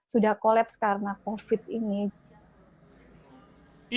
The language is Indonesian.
sudah collaps karena covid ini